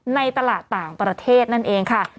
ในตลาดต่างประเทศนั่นเองค่ะ